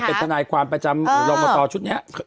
เป็นทนายความประจำรอมตชุดนี้